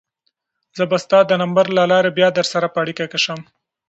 زه به ستا د نمبر له لارې بیا درسره په اړیکه کې شم.